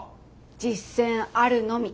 実践あるのみ。